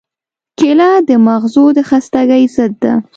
کېله د مغزو د خستګۍ ضد ده.